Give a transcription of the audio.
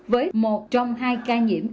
với một trong hai ca nhiễm